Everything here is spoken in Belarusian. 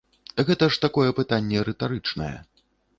Гэта ж такое пытанне рытарычнае.